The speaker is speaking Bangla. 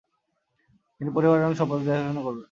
তিনি পরিবার এবং সম্পদের দেখাশুনা করবেন।